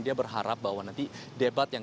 dia berharap bahwa nanti debat yang